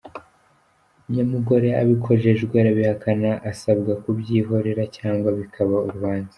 Nyamugore abikojejwe arabihakana, asabwa kubyihorera cyangwa bikaba urubanza.